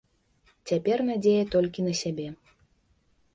Цяпер надзея толькі на сябе.